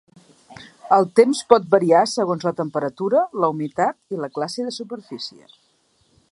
El temps pot variar segons la temperatura, la humitat i la classe de superfície.